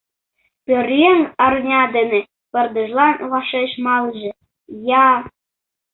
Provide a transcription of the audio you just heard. Пӧръеҥ арня дене пырдыжлан вашеш малыже я...